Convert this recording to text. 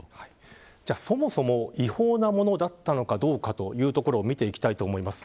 そもそも違法なものだったのかどうかというところを見ていきたいと思います。